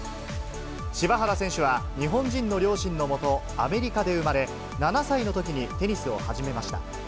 柴原選手は、日本人の両親のもと、アメリカで生まれ、７歳のときにテニスを始めました。